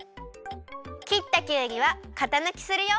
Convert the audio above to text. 切ったきゅうりはかたぬきするよ。